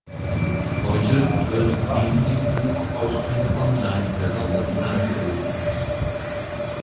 Heute wird neben dem Buch auch eine Online-Version angeboten.